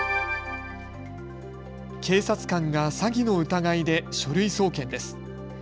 警察官が詐欺の疑いで書類送検です。